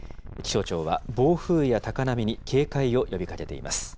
気象庁は暴風や高波に警戒を呼びかけています。